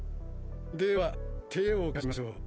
では手を貸しましょう。